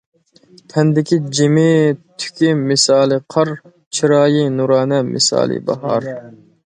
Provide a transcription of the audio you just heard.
تەندىكى جىمى تۈكى مىسالى قار، چىرايى نۇرانە، مىسالى باھار.